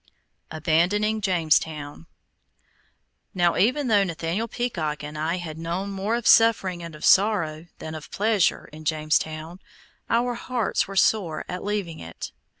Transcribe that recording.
ABANDONING JAMESTOWN Now even though Nathaniel Peacock and I had known more of suffering and of sorrow, than of pleasure, in Jamestown, our hearts were sore at leaving it.